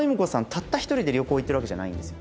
たった一人で旅行行ってるわけじゃないんです。